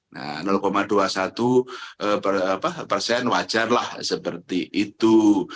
nah dua puluh satu persen wajarlah seperti itu